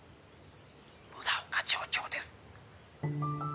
「村岡町長です」